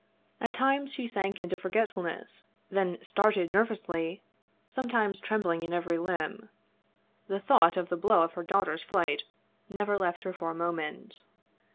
At times she sank into forgetfulness, then started nervously, sometimes trembling in every limb. The thought of the blow of her daughter's flight never left her for a moment.